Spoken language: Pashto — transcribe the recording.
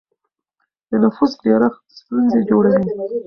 د نفوس ډېرښت ستونزې جوړوي.